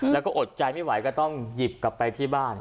แล้วก็อดใจไม่ไหวก็ต้องหยิบกลับไปที่บ้าน